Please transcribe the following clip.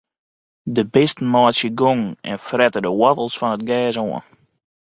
De bisten meitsje gongen en frette de woartels fan it gers oan.